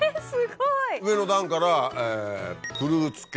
上の段からフルーツ系